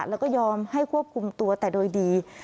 แล้วก็ยอมให้ควบคุมตัวแต่โดยดี